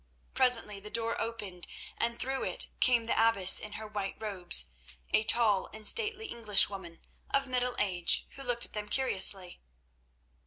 Presently the door opened, and through it came the abbess in her white robes—a tall and stately Englishwoman, of middle age, who looked at them curiously.